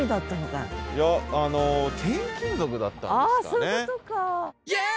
あそういうことか。